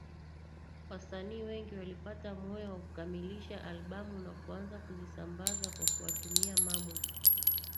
Wasanii wengi walipata moyo wa kukamilisha albamu na kuanza kuzisambaza kwa kuwatumia Mamu